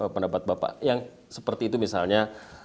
pendapat bapak yang seperti itu misalnya